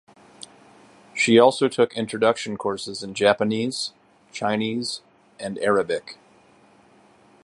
She also took introduction courses in Japanese, Chinese and Arabic.